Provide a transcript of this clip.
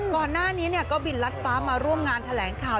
ก่อนหน้านี้ก็บินลัดฟ้ามาร่วมงานแถลงข่าว